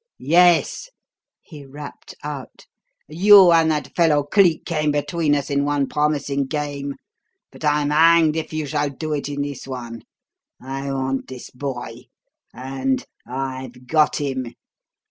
"Yes!" he rapped out. "You and that fellow Cleek came between us in one promising game, but I'm hanged if you shall do it in this one! I want this boy, and I've got him.